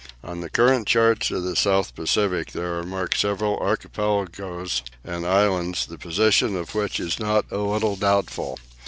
On the current charts of the South Pacific there are marked several archipelagoes and islands, the position of which is not a little doubtful.